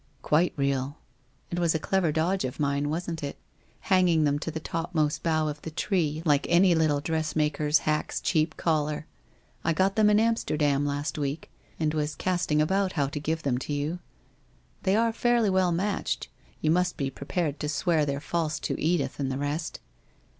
'' Quite real. It was a clever dodge of mine, wasn't it, WHITE ROSE OF WEARY LEAF 371 hanging them to the topmost bough of the tree, like any little dressmaker's hack's cheap collar. I got them in Am sterdam last week and was casting about how to give them to you. They are fairly well matched. You must be pre pared to swear they're false to Edith and the rest.'